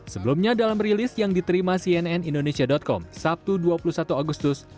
sebelumnya dalam rilis yang diterima cnn indonesia com sabtu dua puluh satu agustus